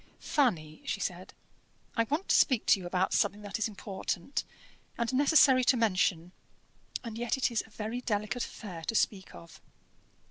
"Fanny," she said, "I want to speak to you about something that is important and necessary to mention, and yet it is a very delicate affair to speak of."